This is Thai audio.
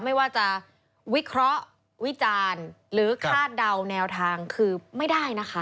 ไม่ว่าจะวิเคราะห์วิจารณ์หรือคาดเดาแนวทางคือไม่ได้นะคะ